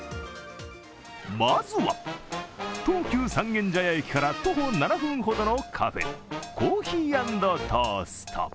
まずは東急・三軒茶屋駅から徒歩７分ほどのカフェ、コーヒー＆トースト。